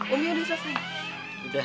umi udah selesai